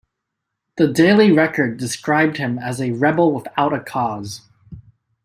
The Daily Record described him as a "rebel- without-a-cause".